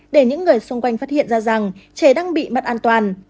để những người xung quanh phát hiện ra rằng trẻ đang bị mất an toàn